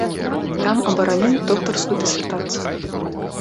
Там абараніў доктарскую дысертацыю.